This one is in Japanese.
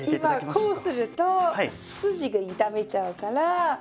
こうすると筋が痛めちゃうから。